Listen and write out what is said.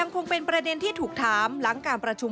คงเป็นประเด็นที่ถูกถามหลังการประชุม